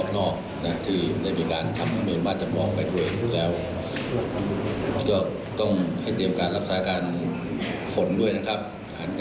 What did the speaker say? ก็ก็จะต้องการการยิ่งบ้าง